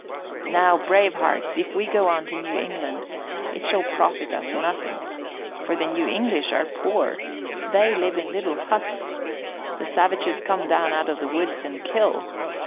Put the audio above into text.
Now, brave hearts, if we go on to New England it shall profit us nothing. For the New English are poor. They live in little huts. The savages come down out of the woods and kill.